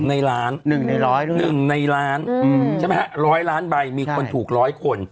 ในล้าน๑ในล้านใช่ไหมฮะ๑๐๐ล้านใบมีคนถูก๑๐๐คน